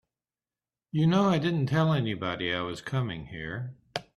You know I didn't tell anybody I was coming here.